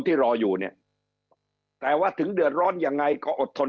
ที่รออยู่เนี่ยแต่ว่าถึงเดือดร้อนยังไงก็อดทน